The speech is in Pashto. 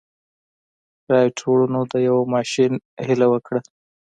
رايټ وروڼو د يوه ماشين هيله وکړه.